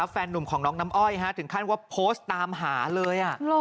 หนุ่มของน้องน้ำอ้อยถึงขั้นว่าโพสต์ตามหาเลย